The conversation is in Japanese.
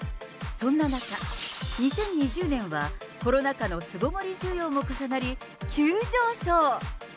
そんな中、２０２０年はコロナ禍の巣ごもり需要も重なり、急上昇。